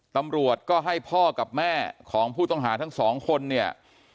ตำรวจก็ให้พ่อกับแม่ของผู้ต้องหาทั้งสองคนเนี่ย